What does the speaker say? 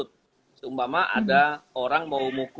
kita orang fizik